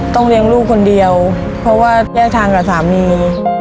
เลี้ยงลูกคนเดียวเพราะว่าแยกทางกับสามี